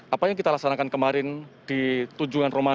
apa yang kita laksanakan kemarin di tujuan rumah